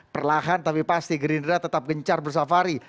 perlahan tapi pasti gerindra tetap gencar bersafari